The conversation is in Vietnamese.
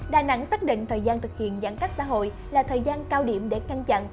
đà nẵng xác định thời gian thực hiện giãn cách xã hội là thời gian cao điểm để ngăn chặn